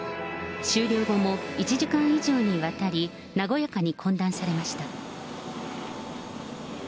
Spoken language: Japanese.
終了後も、１時間以上にわたり、和やかに懇談されました。